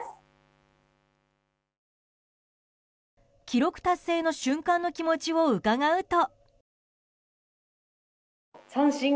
記録達成の瞬間の気持ちを伺うと。